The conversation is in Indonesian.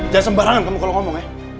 jangan sembarangan kamu kalau ngomong ya